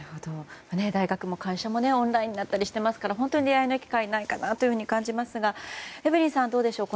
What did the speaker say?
大学も会社もオンラインになったりしてますから本当に、出会いの機会がないかなと感じますがエブリンさんはどうでしょう。